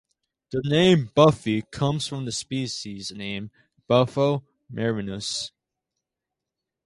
The name Buffy comes from the species name bufo marinus.